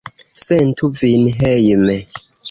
Sentu vin hejme!